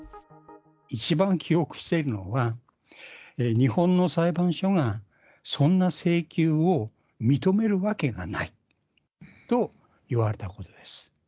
一番記憶しているのが、日本の裁判所がそんな請求を認めるわけがないと言われたことです。